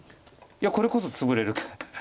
いやこれこそツブれるか。